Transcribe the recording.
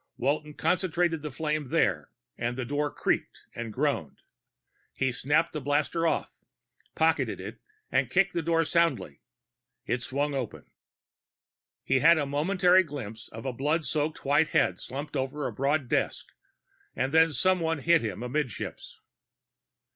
Walton concentrated the flame there, and the door creaked and groaned. He snapped the blaster off, pocketed it, and kicked the door soundly. It swung open. He had a momentary glimpse of a blood soaked white head slumped over a broad desk and then someone hit him amidships.